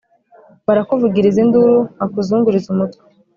barakuvugiriza induru, bakakuzunguriza umutwe,